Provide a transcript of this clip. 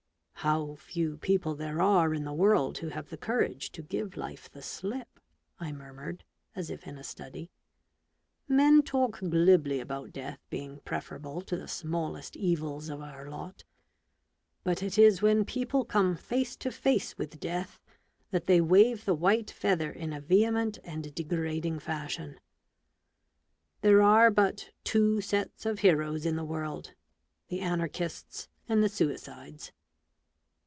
" How few people there are in the world who have the courage to give life the slip f " I murmured, as if in a study. " Men talk glibly about death being preferable to the smallest evils of our lot : but it is when people come face to face with death that they wave the white feather in a vehement and degrading fashion. There are but two sets of heroes in the world — the Anarchists and the Suicides